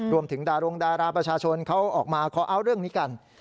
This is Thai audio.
ดารงดาราประชาชนเขาออกมาคอเอาท์เรื่องนี้กัน